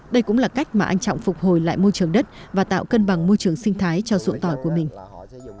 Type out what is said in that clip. đây cũng là cách mà anh trọng phục hồi lại môi trường đất và tạo cân bằng môi trường sinh thái cho ruộng tỏi của mình